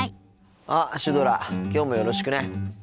あっシュドラきょうもよろしくね。